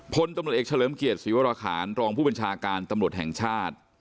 พลตำรวจเอกเฉลิมเกียรติศรีวราคารรองผู้บัญชาการตำรวจแห่งชาติ